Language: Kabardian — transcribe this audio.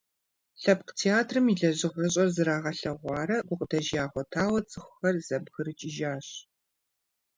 Лъэпкъ театрым и лэжьыгъэщӏэр зрагъэлъэгъуарэ гукъыдэж ягъуэтауэ, цӏыхухэр зэбгрыкӏыжащ.